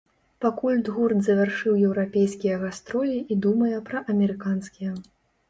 Пакуль гурт завяршыў еўрапейскія гастролі і думае пра амерыканскія.